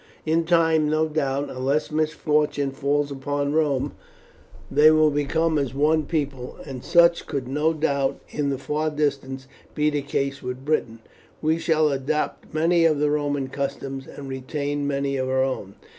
In time, no doubt, unless misfortunes fall upon Rome, they will become as one people, and such no doubt in the far distance will be the case with Britain. We shall adopt many of the Roman customs, and retain many of our own.